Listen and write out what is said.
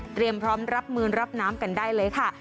พร้อมรับมือรับน้ำกันได้เลยค่ะ